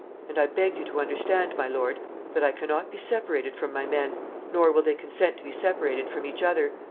And I beg you to understand, my lord, that I can not be separated from my men; nor will they consent to be separated from each other.